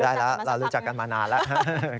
ได้แล้วเรารู้จักกันมานานแล้ว